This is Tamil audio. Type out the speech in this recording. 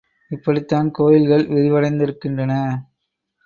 இப்படித்தான் கோயில்கள் விரிவடைந்திருக்கின்றன.